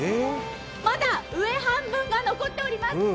まだ上半分が残っております。